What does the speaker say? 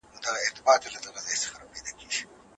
اسلامي شریعت د انسان فطري غوښتنې پوره کوي.